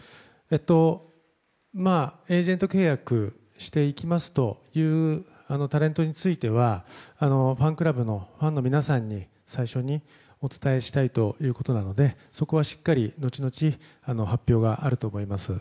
エージェント契約していきますというタレントについてはファンクラブのファンの皆さんに最初にお伝えしたいということなのでそこはしっかり後々、発表があると思います。